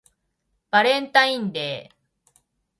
バレンタインデー